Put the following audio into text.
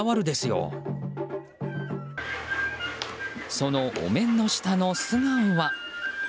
そのお面の下の素顔は？